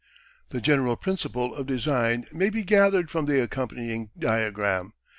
The general principle of design may be gathered from the accompanying diagram.